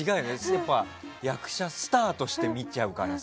やっぱり役者、スターとして見ちゃうからさ。